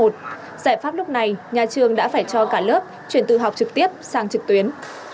giải pháp lúc này nhà trường đã phải cho cả lớp chuyển từ học trực tiếp sang trực tuyến